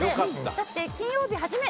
だって、金曜日。